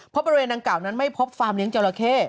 เพราะบริเวณดังกล่าวนั้นไม่พบฟาร์มเลี้ยจราเข้